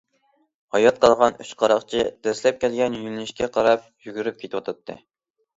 ھايات قالغان ئۈچ قاراقچى دەسلەپ كەلگەن يۆلىنىشكە قاراپ يۈگۈرۈپ كېتىۋاتاتتى.